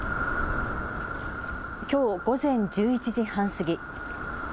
きょう午前１１時半過ぎ。